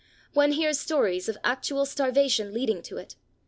One hears stories of actual starvation leading to it.